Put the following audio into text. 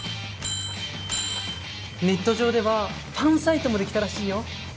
ネット上ではファンサイトもできたらしいよ。